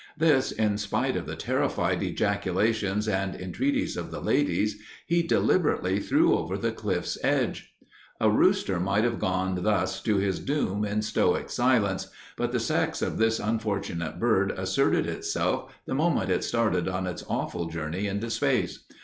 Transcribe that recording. This, in spite of the terrified ejaculations and entreaties of the ladies, he deliberately threw over the cliff's edge. A rooster might have gone thus to his doom in stoic silence, but the sex of this unfortunate bird asserted itself the moment it started on its awful journey into space.